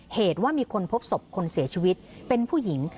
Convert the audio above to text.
เหตุว่ามีคนพบศพคนเสียชีวิตเป็นผู้หญิง